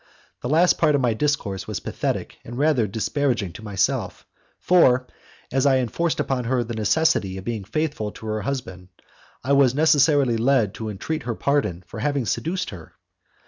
The last part of my discourse was pathetic and rather disparaging to myself, for, as I enforced upon her the necessity of being faithful to her husband, I was necessarily led to entreat her pardon for having seduced her.